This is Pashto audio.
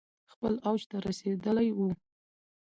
خپل اوج ته رسیدلي ؤ